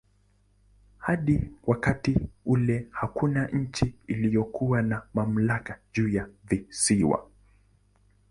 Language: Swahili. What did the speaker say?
Hadi wakati ule hakuna nchi iliyokuwa na mamlaka juu ya visiwa.